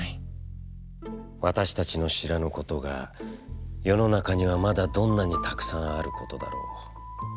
私達の知らぬことが世の中には、まだどんなに沢山あることだらう。